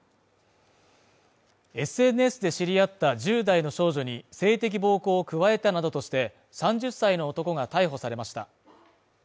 ＳＮＳで知り合った１０代の少女に性的暴行を加えたなどとして、３０歳の男が逮捕されました。